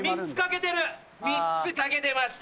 ３つ欠けてました。